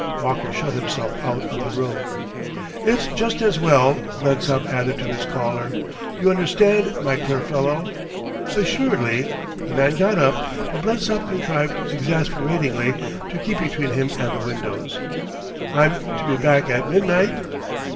Walker shut himself out of the room. "It's just as well," Blensop added to his caller. "You understand, my clear fellow ?" "Assuredly." The man got up; but Blensop contrived exasperatingly to keep between him and the windows. "I'm to be back at midnight?"